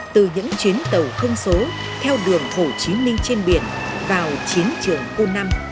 từ những chuyến tàu không số theo đường hồ chí minh trên biển vào chiến trường khu năm